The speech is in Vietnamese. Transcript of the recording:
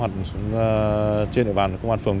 trên địa bàn công an phường